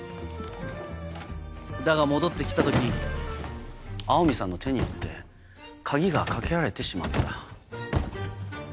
だが戻って来た時青海さんの手によって鍵が掛けられてしまった。